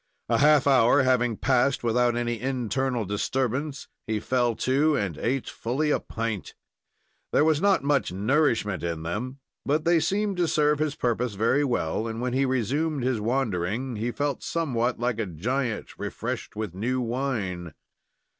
A half hour having passed without any internal disturbance, he fell to and ate fully a pint. There was not much nourishment in them, but they seemed to serve his purpose very well, and when he resumed his wandering, he felt somewhat like a giant refreshed with new wine.